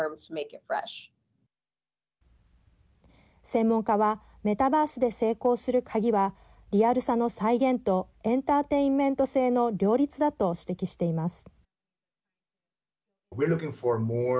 専門家はメタバースで成功する鍵はリアルさの再現とエンターテインメント性の両立だと指摘しています。